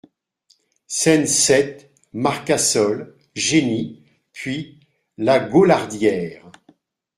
Scène sept Marcassol, Jenny puis Lagaulardière.